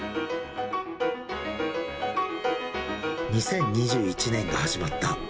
２０２１年が始まった。